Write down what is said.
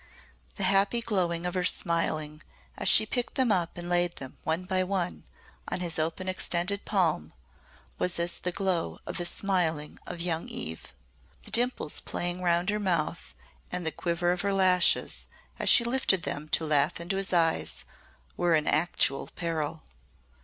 The happy glow of her smiling, as she picked them up and laid them, one by one, on his open extended palm, was as the glow of the smiling of young Eve. The dimples playing round her mouth and the quiver of her lashes, as she lifted them to laugh into his eyes, were an actual peril.